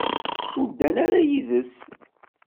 Ur ddan ara yid-s.